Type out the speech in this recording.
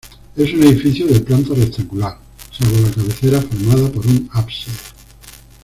Es un edificio de planta rectangular salvo la cabecera formada por un ábside.